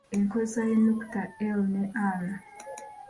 Enkozesa y’Ennukuta l ne r.